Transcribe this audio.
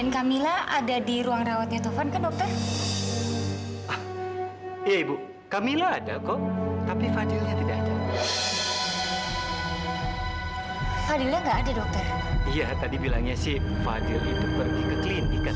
sampai jumpa di video selanjutnya